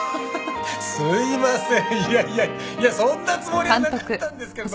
いやそんなつもりはなかったんですけれども。